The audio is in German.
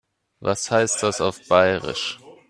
Was heißt das auf Bairisch?